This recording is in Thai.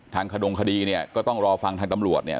ขดงคดีเนี่ยก็ต้องรอฟังทางตำรวจเนี่ย